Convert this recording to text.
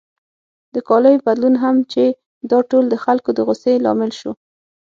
د کالیو بدلون هم چې دا ټول د خلکو د غوسې لامل شو.